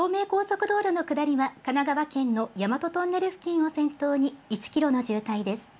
東名高速道路の下りは神奈川県の大和トンネル付近を先頭に１キロの渋滞です。